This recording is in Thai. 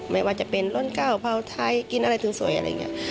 ไม่ว่าจะเป็นร้นก้าวเผาไทยกินอะไรถึงสวยอะไรอย่างนี้